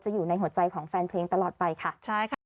อยู่ในหัวใจของแฟนเพลงตลอดไปค่ะใช่ค่ะ